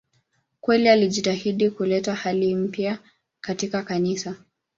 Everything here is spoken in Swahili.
Kweli alijitahidi kuleta hali mpya katika Kanisa.